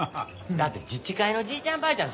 だって自治会のじいちゃんばあちゃん